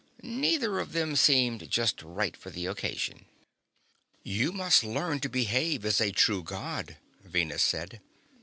Neither of them seemed just right for the occasion. "You must learn to behave as a true God," Venus said.